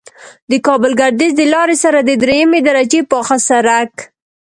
د کابل گردیز د لارې سره د دریمې درجې پاخه سرک